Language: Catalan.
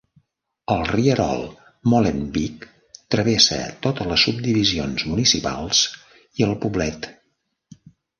El rierol Molenbeek travessa totes les subdivisions municipals i el poblet.